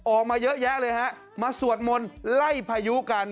ออกมาเยอะแยะเลยฮะมาสวดมนต์ไล่พายุกัน